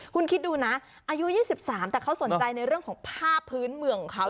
คุณคิดดูนะอายุ๒๓แต่เขาสนใจในเรื่องของผ้าพื้นเมืองของเขา